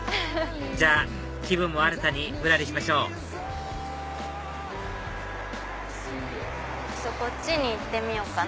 じゃあ気分も新たにぶらりしましょうこっちに行ってみようかな。